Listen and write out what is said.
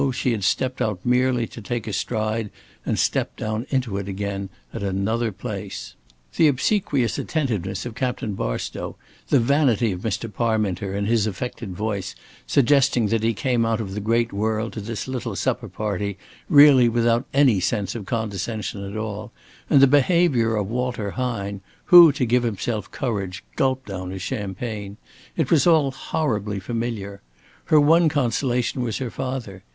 she had stepped out merely to take a stride and step down into it again at another place. The obsequious attentiveness of Captain Barstow, the vanity of Mr. Parminter and his affected voice, suggesting that he came out of the great world to this little supper party, really without any sense of condescension at all, and the behavior of Walter Hine, who, to give himself courage, gulped down his champagne it was all horribly familiar. Her one consolation was her father.